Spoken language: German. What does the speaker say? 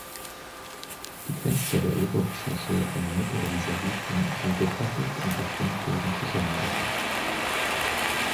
Die Fenster der Obergeschosse im Mittelrisaliten sind gekoppelt und durch Rundbögen zusammengefasst.